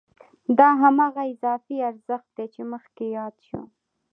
دا هماغه اضافي ارزښت دی چې مخکې یاد شو